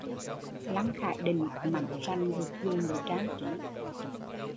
Lăng Khải Định, mảnh sành được dùng để trang tri